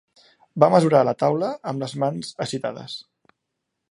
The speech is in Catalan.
Va mesurar la taula amb les mans agitades.